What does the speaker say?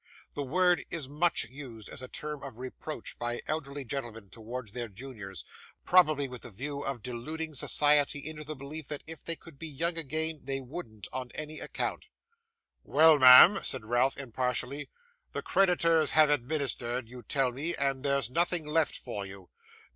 This word is much used as a term of reproach by elderly gentlemen towards their juniors: probably with the view of deluding society into the belief that if they could be young again, they wouldn't on any account. 'Well, ma'am,' said Ralph, impatiently, 'the creditors have administered, you tell me, and there's nothing left for you?